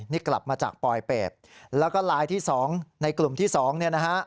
นี่กลับมาจากปลอยเป็บแล้วก็รายที่๒ในกลุ่มที่๒